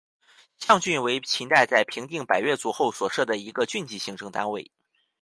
象郡为秦代在平定百越族后所设的一个郡级行政单位。